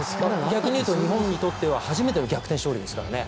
逆に言うと日本にとっては初めての逆転勝利ですからね。